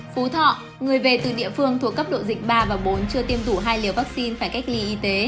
phú thọ người về từ địa phương thuộc cấp độ dịch ba và bốn chưa tiêm đủ hai liều vaccine phải cách ly y tế